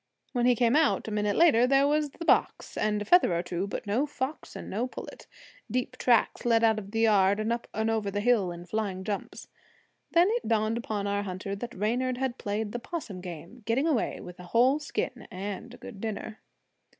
When he came out, a minute later, there was the box and a feather or two, but no fox and no pullet. Deep tracks led out of the yard and up over the hill in flying jumps. Then it dawned upon our hunter that Reynard had played the possum game on him, getting away with a whole skin and a good dinner.